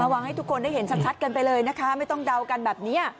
ให้ทุกคนได้เห็นชัดกันไปเลยนะคะไม่ต้องเดากันแบบนี้